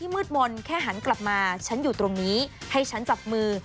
มืดมนต์แค่หันกลับมาฉันอยู่ตรงนี้ให้ฉันจับมือ